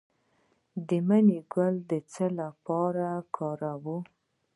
د مڼې ګل د څه لپاره وکاروم؟